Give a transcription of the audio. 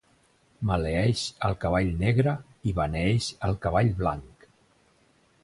Maleeix el cavall negre i beneeix el cavall blanc.